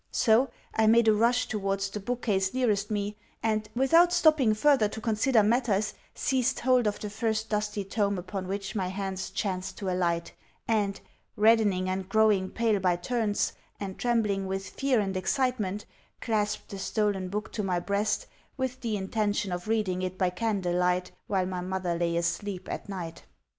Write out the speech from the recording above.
So, I made a rush towards the bookcase nearest me, and, without stopping further to consider matters, seized hold of the first dusty tome upon which my hands chanced to alight, and, reddening and growing pale by turns, and trembling with fear and excitement, clasped the stolen book to my breast with the intention of reading it by candle light while my mother lay asleep at night.